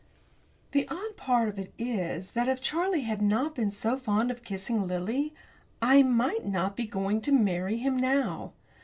The odd part of it is that if Charlie had not been so fond of kissing Lily I might not be going to marry him now.